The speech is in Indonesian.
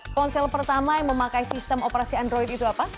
ponsel pertama yang memakai sistem operasi android itu apa